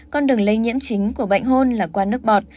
con đường lây nhiễm chính của bệnh hôn là qua nước bọt